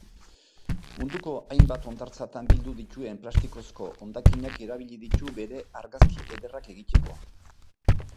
Munduko hainbat hondartzatan bildu dituen plastikozko hondakinak erabili ditu bere argazki ederrak egiteko.